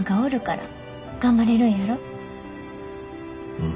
うん。